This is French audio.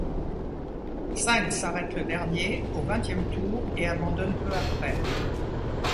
Sainz s'arrête le dernier, au vingtième tour, et abandonne peu après.